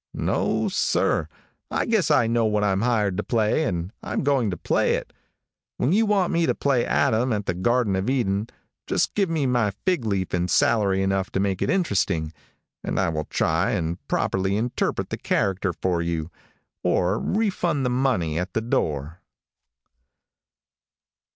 No, sir; I guess I know what I'm hired to play, and I'm going to play it. When you want me to play Adam in the Garden of Eden, just give me my fig leaf and salary enough to make it interesting, and I will try and properly interpret the character for you, or refund the money at the door."